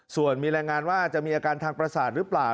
ส่วนมีรายงานว่าจะมีอาการทางประสาทหรือเปล่า